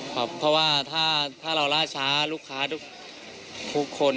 ครับเพราะว่าถ้าเราล่าช้าลูกค้าทุกคน